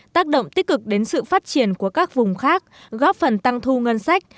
tác động tích cực đến sự phát triển của các vùng khác góp phần tăng thu ngân sách